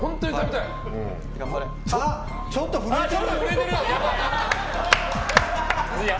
ちょっと震えてる！